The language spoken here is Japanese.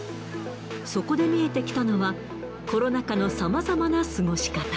そこで見えてきたのは、コロナ禍のさまざまな過ごし方。